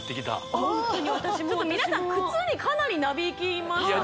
ちょっと皆さん靴にかなりなびきましたね